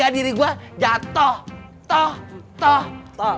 aduh kakak bos